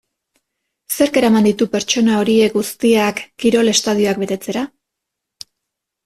Zerk eraman ditu pertsona horiek guztiak kirol estadioak betetzera?